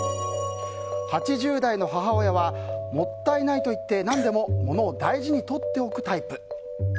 ８０代の母親はもったいないといって何でも物を大事に取っておくタイプ。